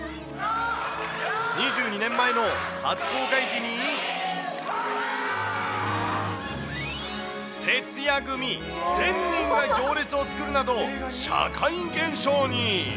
２２年前の初公開時に、徹夜組１０００人が行列を作るなど、社会現象に。